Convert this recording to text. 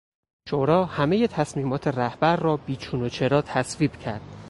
شورا همهی تصمیمات رهبر را بی چون و چرا تصویب کرد.